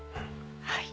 はい。